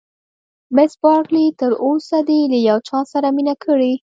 مس بارکلي: تر اوسه دې له یو چا سره مینه کړې؟